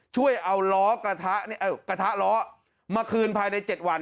ช่วยเอาล้อกระทะนี่เอ้ยกระทะล้อมาคืนภายในเจ็ดวัน